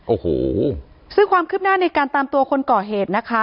โอ้โหซึ่งความคืบหน้าในการตามตัวคนก่อเหตุนะคะ